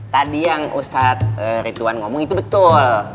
tadi yang ustadz ridwan ngomong itu betul